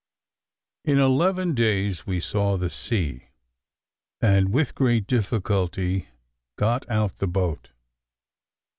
In eleven days we saw the sea, and, with great difficulty, got out the boat.